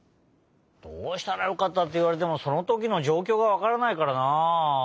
どうしたらよかったっていわれてもそのときのじょうきょうがわからないからなあ。